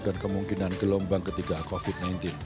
dan kemungkinan gelombang ketiga covid sembilan belas